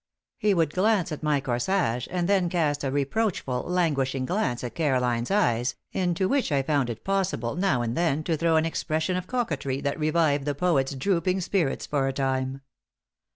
He would glance at my corsage, and then cast a reproachful, languishing glance at Caroline's eyes, into which I found it possible, now and then, to throw an expression of coquetry that revived the poet's drooping spirits for a time.